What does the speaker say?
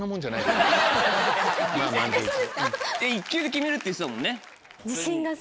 １球で決めるって言ってたもんね。